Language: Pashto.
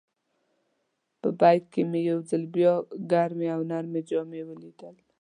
په بیک کې مې یو ځل بیا ګرمې او نرۍ جامې ولیدل.